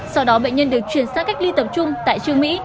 sau đó bệnh nhân được chuyển sang cách ly tập trung tại trương mỹ